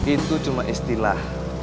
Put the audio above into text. itu cuma istilah